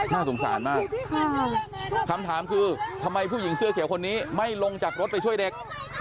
น่าสงสารมากคำถามคือทำไมผู้หญิงเสื้อเขียวคนนี้ไม่ลงจากรถไปช่วยเด็ก